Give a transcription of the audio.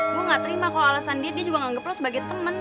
gue gak terima kalo alasan dia juga nganggep lo sebagai temen